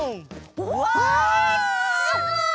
うわすごい！